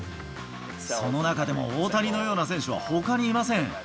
その中でも大谷のような選手はほかにいません。